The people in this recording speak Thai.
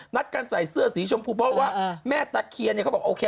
นัดการใส่เสื้อสีชมพูเพราะว่าแม่ตะเคียนเนี่ยเขาบอกโอเค